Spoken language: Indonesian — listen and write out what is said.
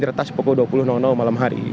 di retas pukul dua puluh malam hari